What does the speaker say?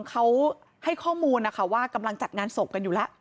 เขาให้ข้อมูลนะคะว่ากำลังจัดงานศพกันอยู่แล้ว